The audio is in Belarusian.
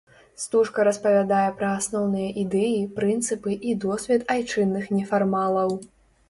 Стужка распавядае пра асноўныя ідэі, прынцыпы і досвед айчынных нефармалаў.